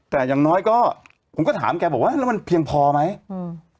แต่อย่างน้อยก็ผมก็ถามแกบอกว่าแล้วมันเพียงพอไหมอืม